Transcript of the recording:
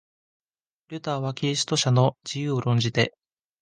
ルターはキリスト者の自由を論じて、